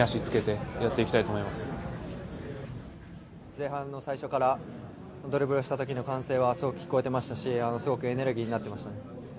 前半の最初からドリブルをした時の歓声はすごく聞こえていましたしすごくエネルギーになってました。